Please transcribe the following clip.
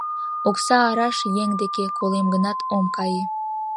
Окса араш еҥ деке, колем гынат, ом кае.